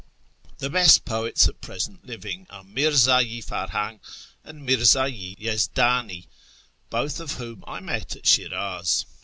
The best poets at present living are Mirza yi Farhang ^ and Mirza yi Yezdani, both of whom I met at Shiraz.